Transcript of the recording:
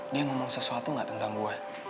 dia ngomong sesuatu gak tentang gue